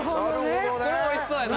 これは美味しそうやな。